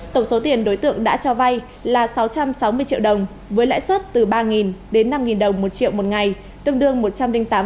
tổng số tiền đối tượng đã cho vay là sáu trăm sáu mươi triệu đồng với lãi suất từ ba đến năm đồng một triệu một ngày tương đương một trăm linh tám đến một trăm tám mươi một năm